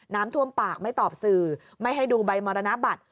น้ำท่วมปากไม่ตอบสื่อไม่ให้ดูใบมรณบัตร